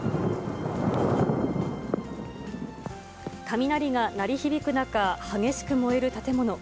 雷が鳴り響く中、激しく燃える建物。